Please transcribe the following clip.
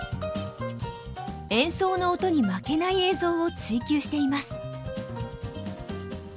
演奏の音に負けない映像を追究しています。